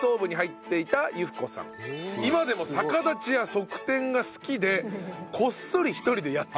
今でも逆立ちや側転が好きでこっそり１人でやっているとか。